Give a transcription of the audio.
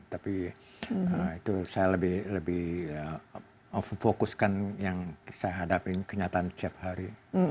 tapi itu saya lebih fokuskan yang saya hadapin kenyataan setiap hari